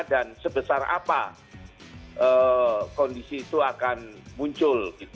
dan sebesar apa kondisi itu akan muncul